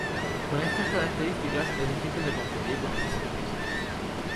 Con estas características es difícil de confundir con otras especies.